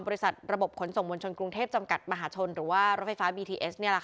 บริษัทระบบขนส่งมวลชนกรุงเทพฯจำกัดมหาชนหรือว่ารถไฟฟ้าเนี่ยแหละค่ะ